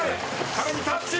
壁にタッチ。